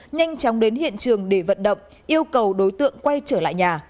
nhanh chóng đến hiện trường để vận động yêu cầu đối tượng quay trở lại nhà